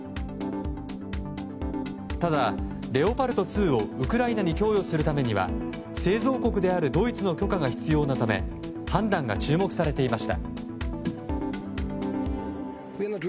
ただ、レオパルト２をウクライナに供与するためには製造国であるドイツの許可が必要なため判断が注目されていました。